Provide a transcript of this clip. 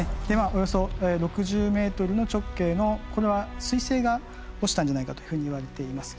およそ６０メートルの直径のこれは彗星が落ちたんじゃないかというふうにいわれています。